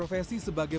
bahwa dia bisa menangani